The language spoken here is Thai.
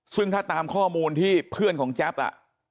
ซึ่งถ้าตามข้อมูลที่เพื่อนของแจ๊บอ่ะ